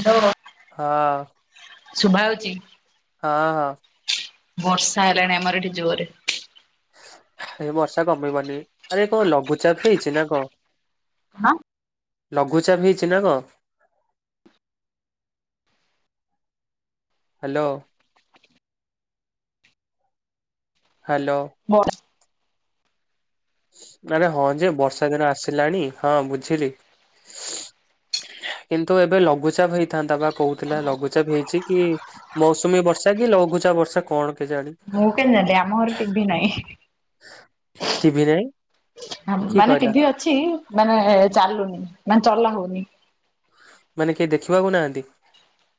Hello ହଁ। ଶୁଭା ଯାଉଛି। ହଁ। ବର୍ଷା ହେଲାଣି ଆମର ଏଠି ଜୋରରେ ଏ ବର୍ଷା କମଇବନି ଆରେ କଣ ଲଘୁଚାପ ହେଇଛି ନା କଣ। ହଁ ଲଘୁଚାପ ହେଇଛି ନା କଣ। ହେଲୋ। ହେଲୋ। ବ ଆରେ ହଁ ଯେ ବର୍ଷାଦିନ ଆସିଲାଣି ହଁ ବୁଝିଲି [inaudible] କିନ୍ତୁ ଏବେ ଲଘୁଚାପ ହେଇଥାନ୍ତା ବା କହୁଥିଲା ଲଘୁଚାପ ହେଇଛି କି ମୌସୁମୀ ବର୍ଷା କି ଲଘୁ [inaudible] ବର୍ଷା କଣ କେଜାଣି ମୁଁ କେମିତି ଜାଣିଲି ଆମ ଘରେ ଟିଭିି ନାହିଁ। ଟିଭି ନାହିଁ। କିଏ ମାନେ କହିଲା ଟିଭି ଅଛି ମାନେ ଚାଲୁନି ମାନେ ଚଲା ହଉନି। ମାନେ କେହି ଦେଖିବାକୁ ନାହାନ୍ତି।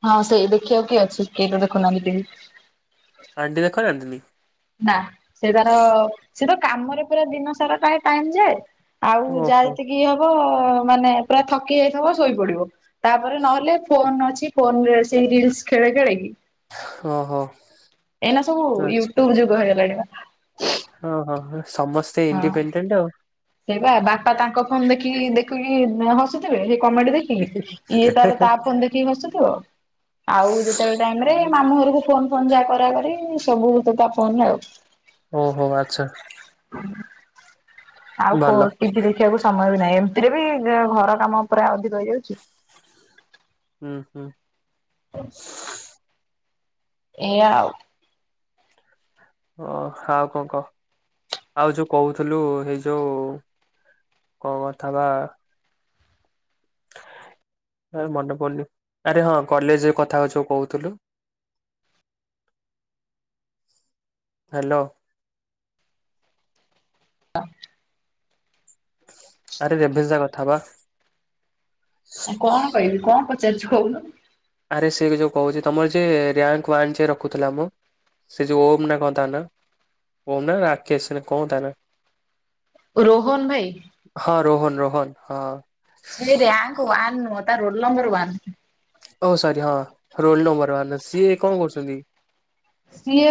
ହଁ ସେଇ ଦେଖିବାକୁ କି ଅଛି କେହିତ ଦେଖୁନାହାନ୍ତି କେହି ଆଣ୍ଟି ଦେଖୁନାହାନ୍ତି କି? ନା ସେ ତାର ସେ ତ କାମରେ ପୁରା ଦିନ ସାରା ଟା ଟାଇମ ଯାଏ। ଆଉ ଯାହା ଓହୋ ଯେତିକି ହବ ମାନେ ପୁରା ଥକି ଯାଇଥିବ ଶୋଇପଡିବ। ତାପରେ ନହେଲେ ଫୋନ ଅଛି ଫୋନ ରେ ସେଇ ରିଲସ ଖେଳେଇ ଖେଳେଇ [inaudible] ଓହୋ। ଏଇନା ସବୁ ଆଚ୍ଛା ୟୁଟୁବ୍ ଯୁଗ ହେଇଗଲାଣି ବା ଓହୋ ସମସ୍ତେ ଇଣ୍ଡିପେଣ୍ଡେଣ୍ଟ୍ ଆଉ ସେଇ ବା ବାପା ତାଙ୍କ ଫୋନ୍ ଦେଖି ଦେଖିକି ହସୁ ସେ କମେଡ଼ି ଦେଖିକି ଇଏ ତାର ତା ଫୋନ ଦେଖିକି ହସୁଥିବ। ଆଉ ଯେତେବେଳେ ଟାଇମ ରେ ମାମୁ ଘରକୁ ଫୋନ ଫୋନ ଯାହା କରା କରି ସବୁ ତ ତା ଫୋନରେ ଆଉ ଓହୋ ଆଛା [inaudible] ଆଉ [inaudible] ଦେଖିବାକୁ। ସମୟ ବି ନାହିଁ ଏମିତିରେ ବି ଘର କାମ ପୁରା ଅଧିକ ହେଇଯାଉଛି। ହୁଁ ହୁଁ। [inaudible] ଏଇଆା ଆଉ ଓ ଆଉ କଣ କହ ଆଉ ଯୋଉ କହୁଥୁଲୁ ଏଇ ଯୋଉ କଣ କଥା ବା। [unintelligible] ଆ ମନେ ପଡୁନି ଆରେ ହଁ କଲେଜ କଥା ହଉ କହୁଥୁଲୁ। [unintelligible] ହାଲୋ। [inaudible] ଆରେ ବ୍ୟବସା କଥା ବା ଆଉ କଣ କହିବି କଣ ପଚାରୁଛୁ କହୁନୁ ଆରେ ସେ ଯୋଉ କହୁଛି ତମର ଯେ ରା୍ଙ୍କ ୱାନ ଯିଏ ରଖୁଥିଲା ମଁ ସେ ଯୋଉ ଓମ୍ ନା କଣ ତା ନା ଓମ୍ ନା ରାକେଶ ସେ କଣ ତା ନା? ରୋହନ୍ ଭାଇ। ହଁ ରୋହନ ରୋହନ ହଁ ସେ ରାଙ୍କ୍ ୱାନ ନୁହଁ ତା ରୋଲ ନମ୍ବର ୱାନ। ଓ ସରି ହଁ ରୋଲ ନମ୍ବର ସିଏ କଣ କରୁଛନ୍ତି। ସିଏ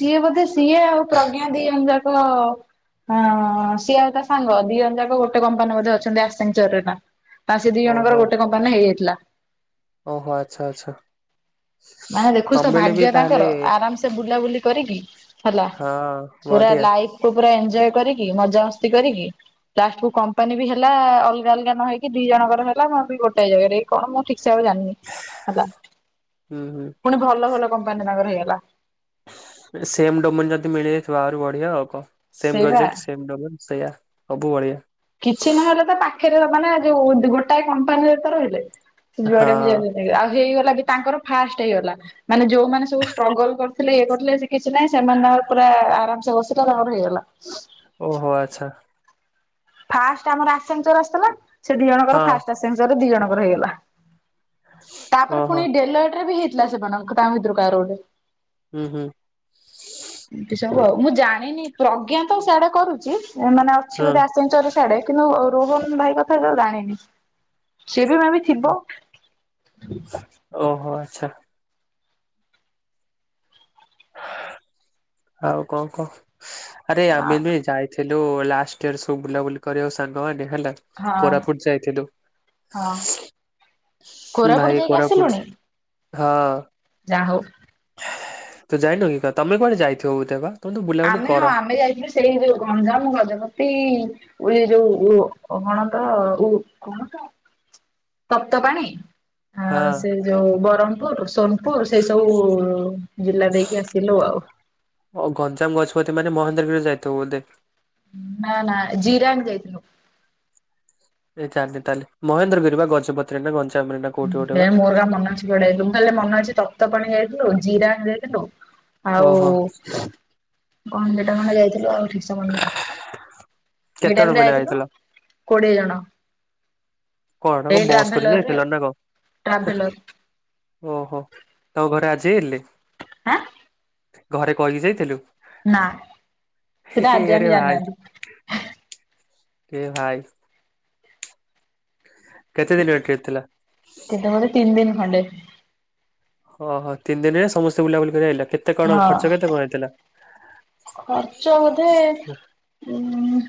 ସିଏ ବୋଧେ ସିଏ ଆଉ ପ୍ରଜ୍ଞା ଦି ଜଣ ଯାକ ଅ ହଁ ସିଏ ଆଉ ତା ସାଙ୍ଗ ଦି ଜଣ ଯାକ ଗୋଟେ କମ୍ପାନୀରେ ବୋଧେ ଅଛନ୍ତି ଆସିଛନ୍ତି ଗୋଟେ ଠା ତାର ସେ ଦି ଓହୋ ଜଣଙ୍କର ଗୋଟେ କମ୍ପାନୀରେ ହେଇଯାଇଥିଲା। ଓହୋ ଆଚ୍ଛା ଆଚ୍ଛା। ମାନେ ଦେଖୁଛୁ ତ ତମବେଳେ ବି ଭାଗ୍ୟ ତାହେଲେ ତାଙ୍କର ଆରାମସେ ବୁଲାବୁଲି କରିକି ହେଲା। ହଁ ପୁରା ବଢିଆ ଲାଇଫକୁ ପୁରା ଏ ଏଞ୍ଜୋଏ କରିକି ମଜା ମସ୍ତି କରିକି ଲାଷ୍ଟ କୁ କମ୍ପାନୀ ବି ହେଲା ଅଲଗା ଅଲଗା ନ ହେଇକି ଦି ଜଣଙ୍କର ହେଲା ମୁଁ ବି ଗୋଟାଏ ଜାଗାରେ କଣ ମୁଁ ଠିକ ସେ ଆଉ ଜାଣିନି ହେଲା। ହୁଁ ହୁଁ। ପୁଣି ଭଲ ଭଲ କମ୍ପାନୀରେ ତାଙ୍କର ହେଇଗଲା। ସେମ ଡୋମେନ ଯଦି ମିଳିଯାଇଥିବ ଆହୁରି ବଢିଆ ଆଉ କଣ ସେଇ ସେମ ବା ବଜେଟ୍ ସେମ ଡୋମେନ ସେଇଆ ସବୁ ବଢ଼ିଆ। କିଛି ନହେଲେ ତ ପାଖରେ ମାନେ ଯୋଉ ଗୋଟାଏ କମ୍ପାନୀରେ ତ ରହିଲେ। ସେ ହଁ ଯୁଆଡେ ବି ଯାଉନା କାହିଁକି ଆଉ ହେଇଗଲା ବି ତାଙ୍କର ଫାର୍ଷ୍ଟ ହେଇଗଲା ମାନେ ଯୋଉମାନେ ସବୁ ଷ୍ଟ୍ରଗଲ କର ଥିଲେ ଇଏ କରୁଥିଲେ ସେ କିଛି ନାହିଁ ସେମାନେ ତାଙ୍କର ପୁରା ଆରାମସେ ବସି ଥିଲା ନା ତାଙ୍କର ହେଇଗଲା। ଓହୋ ଆଚ୍ଛା। ଫାର୍ଷ୍ଟ ଆମର ଆସେଞ୍ଚର ଆସିଥିଲା ସେ ଦି ଜଣଙ୍କର ହଁ ଫାର୍ଷ୍ଟ ଆସେଞ୍ଚରରେ ଦି ଜଣଙ୍କର ହେଇଗଲା। ତାପରେ ଓହୋ ପୁଣି ଡେଲଅଏଟରେ ବି ହେଇଥିଲା ସେମାନଙ୍କ ତାଙ୍କ ଭିତରୁ କାହାର ଗୋଟେ। ହୁଁ ହୁଁ। ଏମିତି ସବୁ ଆଉ ମୁଁ ଜାଣିନି ପ୍ରଜ୍ଞା ତ ସାଡେ କରୁଚି ନାଇ ମାନେ ଅଛି ହଁ ଗୋଟେ ଆସେଞ୍ଚର ସିଆଡ଼େ କିନ୍ତୁ ରୋହନ ଭାଇ କଥା ତ ଜାଣିନି ସିଏ ବି ମେ ବି ଓ ଥିବ। ଓହୋ ଆଚ୍ଛା। ଆଉ କଣ କହ ଆରେ ଆଉ ନୁହେ ଯାଇ ଥିଲୁ ଲାଷ୍ଟ ଇୟର ସବୁ ବୁଲାବୁଲି କରିବା କୁ ସାଙ୍ଗମାନେ ହେଲା ହଁ। କୋରାପୁଟ ଯାଇଥିଲୁ। ହଁ କୋରାପୁଟ ଭାଇ କୋରାପୁଟ ହଁ। ଯାହା ହୋଉ। ତୁ ଯାଇନୁକି ତ-ତମେ କୁଆଡେ ଯାଇଥିବ ବୁଲିତେ ପା। ଆମେ ହଁ ଆମେ ଯାଇଥିଲୁ ସେଇରେ ଗଞ୍ଜାମ ଗଜପ ଏଇ ଏଇ ଯୋଉ ଉ କ-କଣ ତ ଉ କଣ ତ। ତପ୍ତ ପାଣି ହଁ ଆଉ ସେ ଯୋଉ ବରମପୁର ସୋନ ପୁର ସେଇ ସବୁ ଜିଲ୍ଲା ଦେଇକି ଆସିଲୁ ଆଉ। ଓ ଗଞ୍ଜାମ ଗଜପତି ମାନେ ମହେନ୍ଦ୍ରଗିରି ଯାଇଥିବ ବୋଧେ। ନା ନା ଜୀରାଙ୍ଗ ଯାଇଥିଲୁ। ମୁଁ ଏ ଜାଣିନି ତାହଲେ ମହେନ୍ଦ୍ରଗିରି ବା ଗଜପତତିରେ ନା ଗ ହୁଁ ଭାଇ ମୋର ଏକା ମନେ ଅଛି କି କୁଆଡ଼େ ଏବେ ମୁଁ ଖାଲି ଯାହା ମନ ଅଛି ତପ୍ତ ପାଣି ଯାଇଥିଲୁ ଜିରାଙ୍ଗ ଯାଇଥିଲୁ ଆଉ ଓହୋ କଣ ସେଟା ମାନେ ଯାଇଥିଲୁ ଆଉ ଠିକ ସେ ମନେ ନାହିଁ। ସେଇ କେତେଜଣ ଟାଇମରେ ପିଲା ଯାଇଥିଲୁ ଯାଇଥିଲ କୋଡିଏ ଜଣ। କଣ ତମେ ଏଇ ବସ କରି ଟ୍ରାଭେଲରରେ ଯାଇଥିଲା ଆଉ ନା କଣ ହେ ଟ୍ରାଭେଲର। ଓହୋ ତ ଘରେ ରାଜି ହେଲେ? ଆଁ। ଘରେ କହିକି ଯାଇଥିଲୁ? ନା ହେ ସିଏ ତ ହେ ଆଜି ଆରେ ଯାଙ୍କେ ଭାଇ ଜାଣିନାହାନ୍ତି। ଏ ଭାଇ। କେତେ ଦିନର ଟ୍ରିପ୍ ଥିଲା ସେତେବେଳେ ତିନିଦିନ ଖଣ୍ଡେ। ଓହୋ ତିନି ଦିନରେ ସମସ୍ତେ ବୁଲାବୁଲି କରି ଆଇଲ କେତେ କଣ ହଁ। ଖର୍ଚ କେତେ କଣ ହେଇଥିଲା? ଖର୍ଚ୍ଚ ବୋଧେ ଉଁ।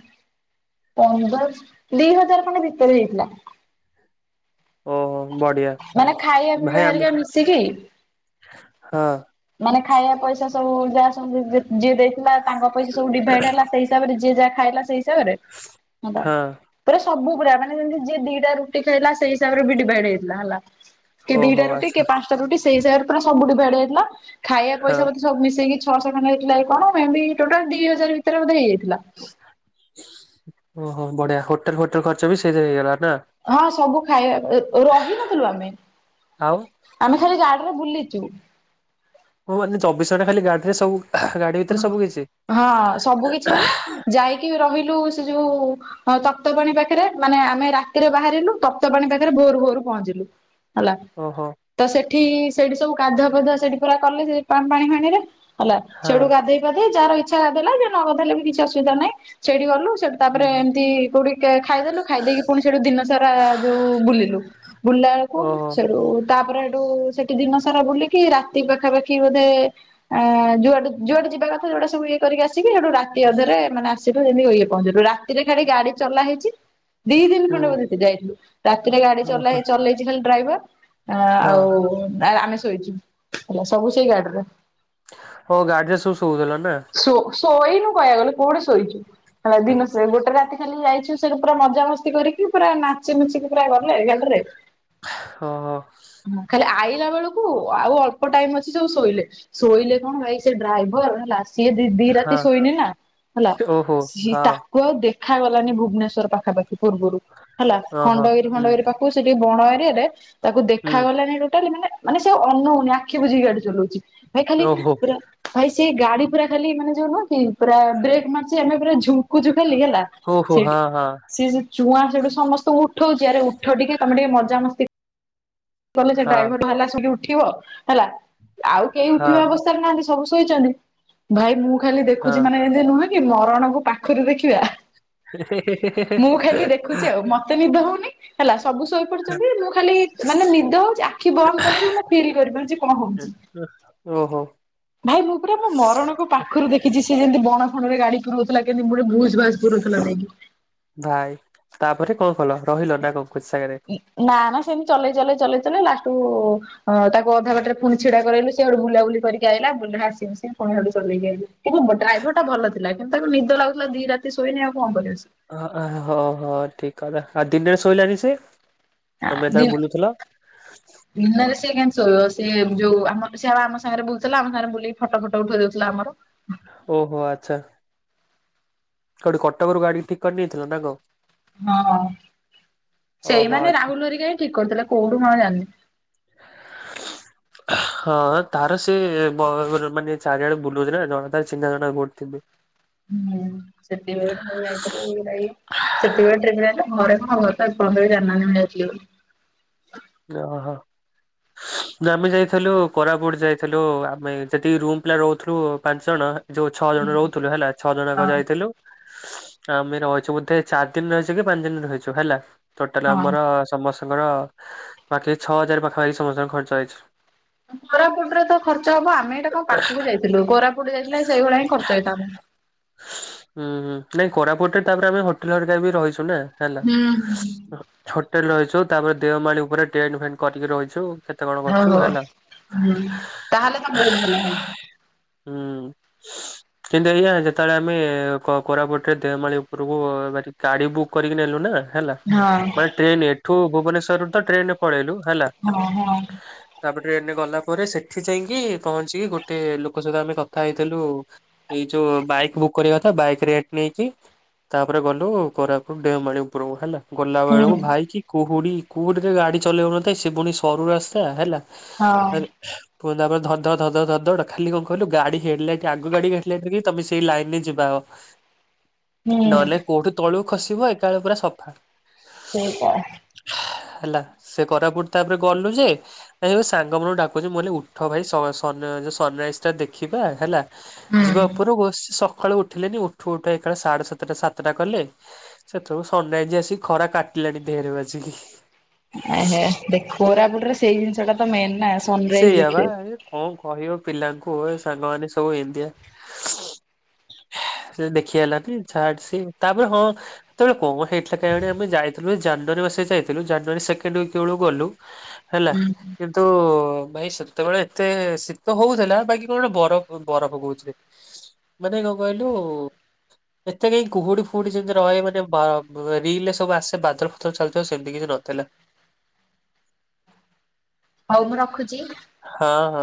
ପନ୍ଦରଶ ଦି ହଜାର ଖଣ୍ଡେ ଭିତରେ ହେଇଥିଲା। ଓହୋ ବଢିଆ ମାନେ ଖାଇବା ଭାଇ ପିଇବା ଆମେ ହେରିକା ମିଶିକି ହଁ। ମାନେ ଖାଇବା ପଇସା ସବୁ ଯାହା ସବୁ ଜି ଯିଏ ଦେଇଥିଲା ତାଙ୍କ ପଇସା ସବୁ ଡିଭାଇଡ ହେଲା ସେଇ ହିସାବରେ ଯିଏ ଯାହା ଖାଇଲା ସେଇ ହିସାବରେ ହେଲା ହଁ ପୁରା ସବୁ ପୁରା ମାନେ ଯେମତି ଯିଏ ଦିଟା ରୁ ଟିପି ହେଲା ସେଇ ହିସାବରେ ବି ଡିଭାଇଡ ହେଇଥିଲା ହେଲା। କିଏ ଓହୋ ଦିଟା ରୁଟି ଆଚ୍ଛା ପାଞ୍ଚଟା ରୁଟି ସେଇଟାଇପର ପୁରା ସବୁଠୁ ଡିଭାଇଡ୍ ଯାଇଥିଲା ଖାଇବା ହଁ। ପଇସା ବୋଧେ ସବୁ ମିଶେଇକି ଛଅଶହ ଖଣ୍ଡେ ହେଇଥିଲାକି କଣ ମେ ବି ଟୋଟାଲ ଦିହଜାର ଭିତରେ ବୋଧେ ହେଇଯାଇଥିଲା। ଓହୋ ବଢିଆ ହୋଟେଲ ଫୋଟେଲେ ଖର୍ଚ୍ଚ ବି ସେଇତିରେ ହେଇଗଲା। ନା ହଁ ସବୁ ଖାଇବା ରହିନଥିଲୁ ଆମେ ଆଉ ଆମେ ଖାଲି ଗାଡିରେ ବୁଲିଚୁ। ଓ ମାନେ ଚବିଶ ଘଣ୍ଟା ଖାଲି ଗାଡି ରେ ସବୁ କିଛି ହଁ ସବୁ କିଛି ମାନେ ଯାଇକି ରହି ଲୁ ସେ ଯୋଉ ତପ୍ତ ପାଣି ପାଖରେ ମାନେ ଆମେ ରାତିରେ ବାହାରିଲୁ ତପ୍ତ ପାଣି ପାଖରେ ଭୋରୁ ଭୋରୁ ପହଞ୍ଚିଲୁ ହେଲା ଓହୋ ତ ସେ ଏଠି ସେଠି ସବୁ ଗାଧୁଆ ପାଧୁଆ ସେଠି ପୁରା କଲେ ସେ ପାଣି ଫାଣି ରେ ହେଲା ହଁ ସେଠୁ ଗାଧଇ ପାଧେଇ ଯାହାର ଇଛା ଗାଧେଇଲା ଯିଏ ନଗାଧେଇଲା ବି କିଛି ଅସୁବିଧା ନାଁ ସେଇଠି ଗଲୁ ତାପରେ ଏମତି କୋଉଠି ଖାଇଦେଲୁ ଖାଇ ଦେଇେକି ପୁଣି ସେଠୁ ଦିନ ସାରା ଯୋଉ ବୁଲିଲୁ ବୁଲି ଦେଖିଲା ବେଳକୁ ଓହୋ ସେଠୁ ତାପରେ ଏଠୁ ସେଠି ଦିନ ସାରା ବୁଲିକି ରାତି ପାଖାପାଖି ବୋଧେ ଅ ଯୁଆଡୁ ଯୁଆଡେ ଯିବା କଥା ଯଉଟା ସବୁ ଇଏ କରିକି ଆସିକି ହେଠୁ ରାତି ଅଧରେ ମାନେ ଆସିଲୁ ଇଏ ପହଞ୍ଚିଲୁ ରାତିରେ ଖାଲି ଗାଡି ଚଲା ହେଇଚି। ଦି ଦିନ ହୁଁ ଖଣ୍ଡେ ବୋଧେ ସେ ଯାଇଥିଲୁ ରାତିରେ ଗାଡି ଓହୋ ଚଲାଏ ଚଲେଇଚି ଖାଲି ଡ୍ରାଇଭର ଆ ହଁ। ଆଉ ଆମେ ଶୋଇଛୁ ହେଲା ସବୁ ସେଇ ଗାଡ଼ିରେ। ଓ [unintelligible] ଶୋଇନୁ କହିବାକୁ ଗଲେ କୋଉଠେ ଶୋଇଚି। ହେଲା ଦିନ ଗୋଟେ ରାତି ଖାଲି ଯାଇଛୁ ସେ ପୁରା ମଜାମସ୍ତି କରିକି ପୁରା ନାଚିମଚିକି ପୁରା ଗଲେ ଗାଡ଼ିରେ। ହ ଅ। ଆଇଲା ବେଳକୁ ଆଉ ଅଳ୍ପ ଟାଇମ ଅଛି ସବୁ ଶୋଇଲେ ଶୋଇଲେ କଣ ଭାଇ ସେ ଡ୍ରାଇଭର ହେଲା ସିଏ ଦି ହଁ ରାତି ଶୋଇନି ନା ହେଲା ଓହୋ ସିଏ ହଁ ତାକୁ ଆଉ ଦେଖ ଦେଖାଗଲାନି ଭୁବନେଶ୍ୱର ପାଖାପାଖି ପୂର୍ବରୁ ହେଲା ଓହୋ ଖଣ୍ଡଗିରି ହୁଁ ଫଣ୍ଡଗିରି ପାଖକୁ ସେ ଏ ବଣ ଏରିଆଟେ ତାକୁ ହୁଁ ଦେଖାଗଲାନି ଟୋଟାଲି ମାନେ ମାନେ ସେ ଅନଉନି ଆଖି ବୁଝିକିଗାଡି ଚଲଉଚି। ଭାଇ ଖାଲି ଓହୋ ପୁରା ଭାଇ ସେ ଗାଡି ପୁରା ଖାଲି ମାନେ ଯୋଉନ କି ପୁରା ବ୍ରେକ୍ ମାରୁଚି ଆମେ ପୁରା ଝୁଙ୍କୁଚୁ ଖାଲି ହେଲା ଓହୋ ସେଠି ହଁ ହଁ ସିଏ ଚୁଆ ସେଠୁ ସମସ୍ତଙ୍କୁ ଉଠଉଛି ଆରେ ଉଠ ଟିକେ ତମେ ଟିକେ ମଜାମସ୍ତି କହଲେ ସେ ହଁ ଡ୍ରାଇଭରଟା ହେଲା ସେଠି ଉଠିବ ହେଲା ଆଉ କେହି ଉଠିବା ହଁ ଅବସ୍ଥାରେ ନାହାନ୍ତି ସବୁ ଶୋଇଛନ୍ତି ଭାଇ ମୁଁ ଖାଲି ଦେଖୁଛି ହଁ ମାନେ ଏନ୍ତି ନୁହଁ କି ମରଣକୁ ପାଖରୁ ଦେଖିବା। ମୁଁ ଖାଲି ଦେଖୁଛି ଆଉ ମତେ ନିଦ ହଉ ନି ହେଲା ସବୁ ଶୋଇପଡିଛନ୍ତି ମୁଁ ଖାଲି ମାନେ ନିଦ ହଉଛି ଆଖି ବନ୍ଦ କଲେ ବି ମୁ ଫିଲ୍ କରିପାରୁଛି କଣ ହଉଛି। ଓହୋ ଭାଇ ମୁଁ ପୁରା ମୋ ମରଣକୁ ପାଖରୁ ଦେଖିଛି ସେ ଯେମିତି ବଣ ଫଣରେ ଗାଡି ପୁରଉଥିଲା କେମତି ପୁରା ଭୁସ୍ ଭାସ୍ ପୁରଉଥିଲା ନେଇକି। ଭାଇ ତାପରେ କଣ କଲ ରହିଲ ନା କଣ କୋଚି ସାଙ୍ଗରେ ନା ନା ସେମିତି ଚଲେଇ ଚଲେଇ ଚଲେଇ ଚଲେଇ ଲାଷ୍ଟୁକୁ ଅଁ ତାକୁ ଅଧା ବାଟରେ ପୁଣି ଛିଡା କରାଇଲୁ ସିଏ ହେଠୁ ବୁଲାବୁଲି କରିକି ଆଇଲା [inaudible] ସେ ପୁଣିଆଡୁ ଚଲେଇକ ଆଇଲୁ। ଏ ଡ୍ରାଇଭର ଟା ଭଲ ଥିଲା କିନ୍ତୁ ତାଙ୍କୁ ନିଦ ଲାଗୁଥିଲା ଦି ରାତି ଶୋଇନି ଆଉ କଣ କରିବ ସେ। ଅ ହ ହୋ ହୋ ଠିକ୍ କଥା ଆଉ ଦିନରେ ଶୋଇଲାନି ସେ। ଆ ତମେ ଦି ଯେତେବେଳେ ବୁଲୁଥିଲ ଦିନରେ ସେ କେତି ଶୋଇିବ ସେ ଯୋଉ ସେ ଆଉ ଆମ ସାଙ୍ଗରେ ବୁଲୁଥିଲା ଆମ ସାଙ୍ଗ ବୁଲିକ ଫଟ ଫଟ ଉଠେଇ ଦେଉଥିଲା ଆମର। ଓହୋ ଆଚ୍ଛା। କଉଠି କଟକରୁ ଗାଡି ଠିକ୍ କରି ନେଇଥିଲ ନା କଣ। ହଁ ଓହୋ ସେଇମାନେ ଆଚ୍ଛା ରାହୁଲ ଘରିକା ହିଁ ଠିକ୍ କରୁଥିଲେ କୋଉଠୁ ମୁ ଆଉ ଜାଣିନି। [inaudible] ହଁ ତାର ସେ ଵ ମାନେ ଚାରି ଆଡେ ବୁଲଉଚି ନା ଜଣେ ତାର ଚିହ୍ନା ଜଣା କଉଠି ଥିବେ। [unintelligible] ସେତେବେଳେ ଟ୍ରେନିଙ୍ଗ [unintelligible] ଘରେ ଜାଣି ନାହାନ୍ତି ମୁଁ ଯାଇଥିଲି ବୋଲି। [inaudible] ନା ଆମେ ଯାଇଥିଲୁ କୋରାପୁଟ ଯାଇଥିଲୁ ଆମେ ସେଠି ରୁମ୍ ପିଲା ରହୁଥିଲୁ ପାଞ୍ଚ ଜଣ ଯୋଉ ଛଅ ଜଣ ବୋଲି। ରହୁଥିଲୁ ହେଲା ଛଅ ହଁ ଜଣଙ୍କ ଯାଇଥିଲୁ। ଆମେ ରହିଛୁ ବୋଧେ ଚାରି ଦିନ ରହିଛୁ କି ପାଞ୍ଚ ଦିନ ରହିଛୁ ହେଲା। ଟୋଟାଲ ହଁ। ଆମର ସମସ୍ତଙ୍କର ବାକି ଛଅ ହଜାର ପାଖାପାଖି ସମସ୍ତଙ୍କ ଖର୍ଚ୍ଚ ହେଇଚି। କୋରାପୁଟରେ ତ ଖର୍ଚ୍ଚ ହବ ଆମେ ଏଇଟା କଣ ପାଖକୁ ଯାଇଥିଲୁ କୋରାପୁଟ କ ସେଇଭଳିଆ ହି ଖର୍ଚ୍ଚ ହେଇଥାଆନ୍ତା। ହୁଁ ହୁ ନାଇଁ କୋରାପୁଟରେ ତାପରେ ଆମେ ହୋଟେଲ ହରିକ ବି ରହିଛୁ ନା। ହେଲା ହୁଁ ହୁଁ। ହୋଟେଲ ରହିଛୁ ତାପରେ ଦେଓମାଳି ଉପରେ ଟେଣ୍ଟ ଫେଣ୍ଟ କରିକି ରହିଛୁ। କେତେ କଣ ଓ କରିଛୁ ହୋ ହେଲା। ହୁଁ ତାହେଲେ ତ ବୋହୁତ ଭଲ ହେଇଚି। ହୁଁ। [inaudible] କିନ୍ତୁ ଆଜ୍ଞା ଯେତେବେଳେ ଆମେ କୋ କୋରାପୁଟରେ ଦେଓମାଳି ଉପୁରୁକୁ ଗା ଗାଡି ବୁକ୍ କରିକି ନେଲୁ ନା। ହେଲା ହଁ। ମାନେ ଟ୍ରେନ ଏଠୁ ଭୁବନେଶ୍ୱରରୁୁ ତ ଟ୍ରେନରେ ପଳେଇଲୁ। ହେଲା ହଁ ହଁ। ତାପରେ ଟ୍ରେନରେ ଗଲା ପରେ ସେଠି ଯାଇକି ପହଞ୍ଚିକି ଗୋଟେ ଲୋକ ସହିତ ଆମେ କଥା ହେଇଥେଲୁ ଏଇ ଯୋଉ ବାଇକ୍ ବୁକ୍ କରିବା କଥା ବାଇକ୍ ରେଟ ନେଇକି। ତାପରେ ଗଲୁ କୋରାପୁଟ ଡେଓମାଳି ଉପୁରୁକୁ ହେଲା। ହୁଁ ଗୋଲାବେଳୁକୁ ଭାଇ କିି କୁହୁଡି କୁହୁଡିରେ ଗାଡି ଚଲେଇ ହଉ ନଥାଏ ସେ ପୁଣି ସରୁ ରାସ୍ତା ହେଲା। ଆରେ ହଁ ପୁଣି ତାପରେ ଧଡ ଧଡ ଧଡ ଧଡ ଧଡ ଧଡ ଖାଲି କଣ କହିଲୁ ଗାଡି ହେଡ ଲାଇଟ୍ ଆଗ ଗାଡିକି ହେଡ ଲାଇଟ୍ ଦେଖେଇଚି ତମେ ସେଇ ଲାଇନରେ ଯିବା ଅ। ହୁଁ ନହେଲେ କୋଉଠୁ ତଳକୁ ଖସିବ ଏକାବେଳେ ପୁରା ସଫା। ସେଇଟା ହେଲା ସେ କୋରାପୁଟ ତାପରେ ଗଲୁ ଯେ ଅନେଇଲୁ ସାଙ୍ଗମାନଙ୍କୁ ଡାକୁଚି ମୁଁ କହିଲି ଉଠ ଭାଇ ସମ୍ ଶ ସନ୍ ରାଇଜଟା ଦେଖିବା ହେଲା ହୁଁ। ଯିବା ଉପରକୁ ସେ ସ କାଳୁ ଉଠିଲେନି ଉଠୁ ଉଠୁ ଏକାବେଳେ ସାଢେ ସାତଟା ସାତଟା କଲେ ସେତେବେଳୁକୁ ସନ୍ ରାଇଜ ଆସିକି ଖରା କାଟ ଲାଣି ଦେହରେ ବାଜିକି। ଏ ହେ ଦେଖ୍ କୋରାପୁଟରେ ସେଇ ଜିନିଷଟା ତ ମେନ୍ ନା। ସନରାଇଜ ସେଇଆ ବା ଦେଖିବେ। ହେ କଣ କହିବ ପିଲା ଲାଙ୍କୁ ସାଙ୍ଗମାନେ ସବୁ ଇନ୍ତିଆ। [inaudible] ଦେଖି ହେଲାନି ଛାଡ୍ ସିଏ ତାପରେ ହଁ ସେତେବେଳେ କଣ ହେଇଥିଲା କେଜାଣି ଆମେ ଯାଇଥିଲୁ ଯେ ଜାନୁଆରୀ ମା ସେରେ ଯାଇଥେଲୁ ଜାନୁଆରୀ ସେକେଣ୍ଡ ୱିକ୍ ଆଡକୁ ଗଲୁ ହେଲା କିନ୍ତୁ ଭାଇ ସେତେବେଳେ ଏତେ ଶୀତ ହଉଥିଲା ବାକି କଣ ବରଫ ବରଫ କହୁଚି ମାନେ କଣ କହିଲୁ ଏତେ କାଇଁ କୁହୁଡି ଫୁହୁଡି ଯେମିତି ରହେ ମାନେ ବା ରିଲରେ ସବୁ ଆସେ ବାଦଲ ଫାଦଲ ଚାଲିଥିବ ସେମିତି କିଛି ନ ନଥେଲା। [inaudible] ହଉ ମୁଁ ରଖୁଛି। ହଁ ହଁ।